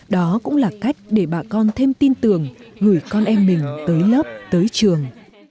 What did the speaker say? đó cũng là cách để bà con thêm tin tưởng gửi con em mình tới lớp tới trường